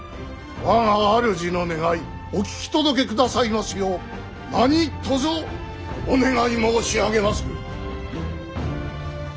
我が主の願いお聞き届けくださいますよう何とぞお願い申し上げまする。